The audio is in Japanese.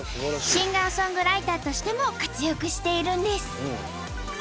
シンガーソングライターとしても活躍しているんです。